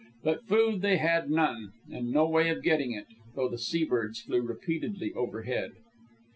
But food they had none, and no way of getting it, though sea birds flew repeatedly overhead.